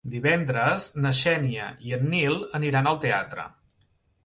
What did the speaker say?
Divendres na Xènia i en Nil aniran al teatre.